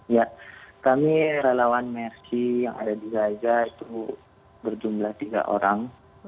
ya kami relawan mersi yang ada di gaza itu berjumlah tiga orang